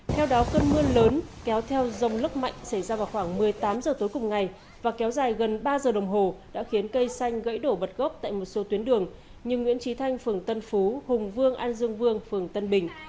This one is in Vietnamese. theo đó cơn mưa lớn kéo theo dông lốc mạnh xảy ra vào khoảng một mươi tám h tối cùng ngày và kéo dài gần ba giờ đồng hồ đã khiến cây xanh gãy đổ bật gốc tại một số tuyến đường như nguyễn trí thanh phường tân phú hùng vương an dương vương phường tân bình